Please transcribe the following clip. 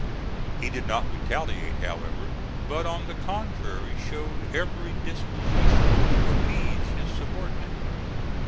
He did not retaliate, however, but on the contrary showed every disposition to appease his subordinate.